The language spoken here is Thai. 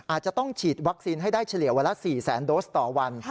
อาจจะต้องฉีดวัคซีนให้ได้เฉลี่ยวันละ๔แสนโดสต่อวัน